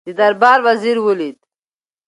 د دربار وزیر ولید.